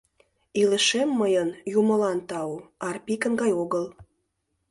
Илышем мыйын, юмылан тау, Арпикын гай огыл.